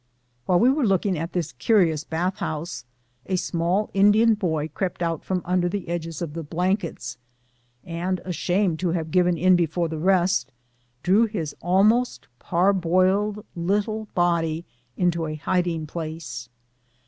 While wc were looking at this curious bath house a small Indian boy crept out from under the edges of the blankets, and ashamed to have given in before the rest, drew his almost parboiled little body into a hiding place.